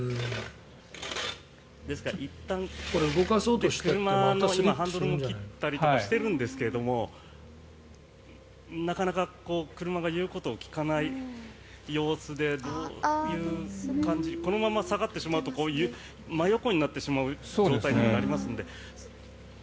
いったん車のハンドルを切ったりとかしてるんですけどもなかなか車が言うことを聞かない様子でどういう感じにこのまま下がってしまうと真横になってしまう状態にもなりますので。